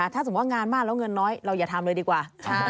ถ้าสมมุติงานมากแล้วเงินน้อยเราอย่าทำเลยดีกว่า